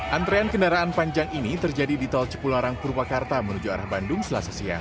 antrean kendaraan panjang ini terjadi di tol cipularang purwakarta menuju arah bandung selasa siang